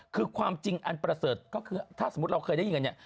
คือความจริงอันประเสริฐก็คือถ้าสมมุติเราเคยได้ยินกันเนี่ย